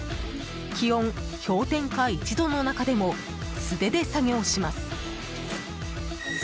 気温、氷点下１度の中でも素手で作業します。